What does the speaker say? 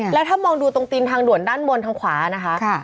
แล้วถ้ามองดูตรงตีนทางด่วนด้านบนทางขวานะคะ